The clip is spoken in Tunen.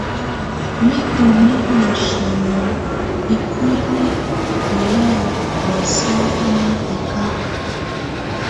Nù ndù mimǝ sɔnɔ ikuili ɔ ya bɔ̀ósɛ bu nà hɛkaka.